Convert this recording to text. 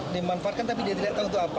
dimanfaatkan tapi dia tidak tahu untuk apa